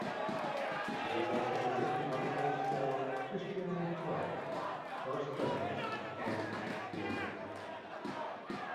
He has also written articles for "Christianity Today", "First Things", and "The Atlantic".